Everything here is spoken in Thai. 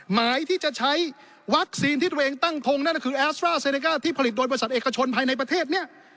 หมายที่จะใช้วัคซีนที่ตัวเองตั้งทงนั่นก็คือแอสตราเซเนก้าที่ผลิตโดยบริษัทเอกชนภายในประเทศเนี่ย